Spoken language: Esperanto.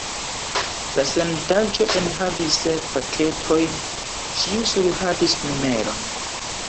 La sendaĵo enhavis sep paketojn, ĉiu surhavis numeron.